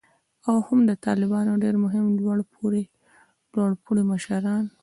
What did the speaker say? او هم د طالبانو ډیر مهم لوړ پوړي مشران